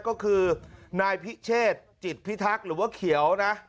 ก็คือนายพิเชษจิตพิทักษ์หรือว่าเขียวนะ